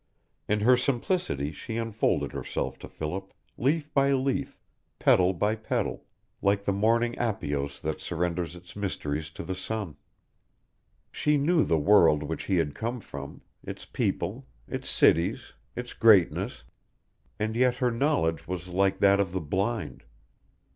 In her simplicity she unfolded herself to Philip, leaf by leaf, petal by petal, like the morning apios that surrenders its mysteries to the sun. She knew the world which he had come from, its people, its cities, its greatness; and yet her knowledge was like that of the blind.